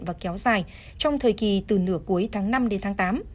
và kéo dài trong thời kỳ từ nửa cuối tháng năm đến tháng tám